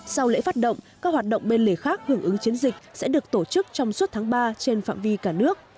sau lễ phát động các hoạt động bên lề khác hưởng ứng chiến dịch sẽ được tổ chức trong suốt tháng ba trên phạm vi cả nước